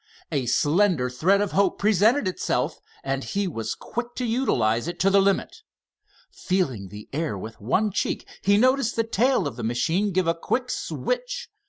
A slender thread of hope presented itself and he was quick to utilize it to the limit. "Feeling" the air with one cheek, he noticed the tail of the machine give a quick switch.